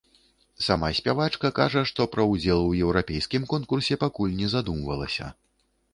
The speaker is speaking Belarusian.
Сама спявачка кажа, што пра ўдзел у еўрапейскім конкурсе пакуль не задумвалася.